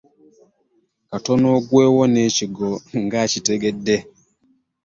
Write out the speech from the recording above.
Katono agwewo n'ekigwo ng'akitegedde.